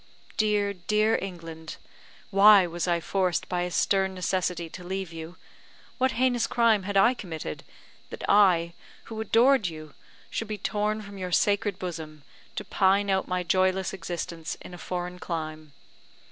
Dear, dear England! why was I forced by a stern necessity to leave you? What heinous crime had I committed, that I, who adored you, should be torn from your sacred bosom, to pine out my joyless existence in a foreign clime?